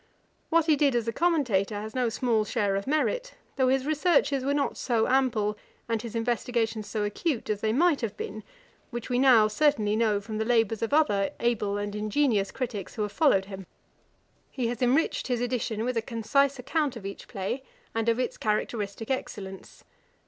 What he did as a commentator has no small share of merit, though his researches were not so ample, and his investigations so acute as they might have been, which we now certainly know from the labours of other able and ingenious criticks who have followed him. He has enriched his edition with a concise account of each play, and of its characteristick excellence.